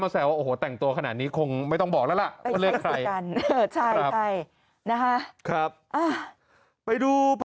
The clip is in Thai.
แสวโอ้โหแต่งตัวขนาดนี้คงไม่ต้องบอกแล้วล่ะใช่ใช่นะคะครับไปดู